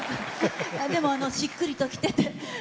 でも、しっくりときてて。